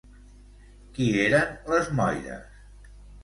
Qui eren les Moires?